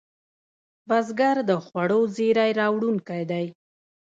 بزګر د خوړو زېری راوړونکی دی